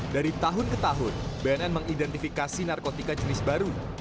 dari tahun ke tahun bnn mengidentifikasi narkotika jenis baru